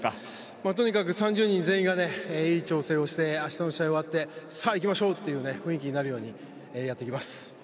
とにかく３０人全員がいい調整をして明日の試合が終わってさあ、いきましょうという雰囲気になるようにやっていきます。